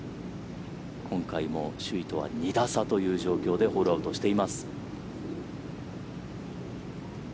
今回も首位とは２打差という状況でホールアウトしています。